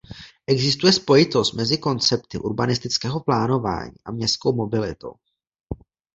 Existuje spojitost mezi koncepty urbanistického plánování a městskou mobilitou.